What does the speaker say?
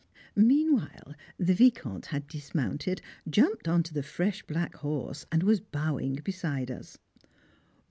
Meanwhile the Vicomte had dismounted, jumped on to the fresh black horse, and was bowing beside us.